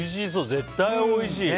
絶対おいしい。